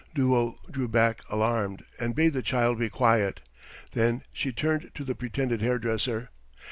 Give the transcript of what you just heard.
Duo drew back alarmed and bade the child be quiet. Then she turned to the pretended hairdresser.